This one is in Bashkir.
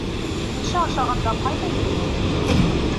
— Кеше ашағанда ҡайҙа йөрөнөң?